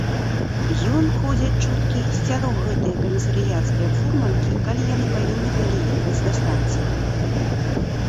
Ён, ходзяць чуткі, сцярог гэтыя камісарыяцкія фурманкі, калі яны павінны былі ехаць да станцыі.